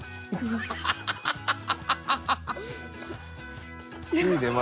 ハハハハ！